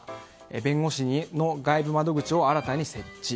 弁護士の外部窓口を新たに設置。